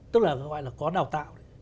tức là gọi là có đào tạo